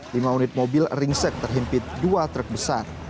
lima unit mobil ringsek terhimpit dua truk besar